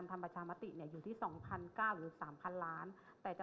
เกาะมนึงกดแรงถ้อคัมกลับมาทอนนี้ครับ